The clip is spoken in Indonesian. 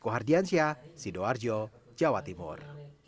saya sido arjo jawa timur